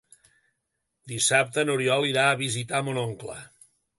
Dissabte n'Oriol irà a visitar mon oncle.